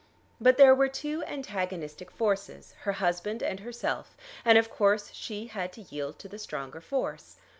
But there were two antagonistic forces, her husband and herself, and of course she had to yield to the stronger force.